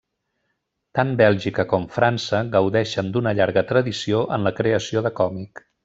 Tant Bèlgica com França gaudeixen d'una llarga tradició en la creació de còmic.